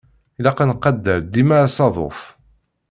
Ilaq ad nettqadar dima asaḍuf.